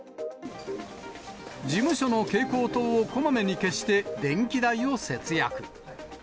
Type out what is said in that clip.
事務所の蛍光灯をこまめに消して電気代を節約。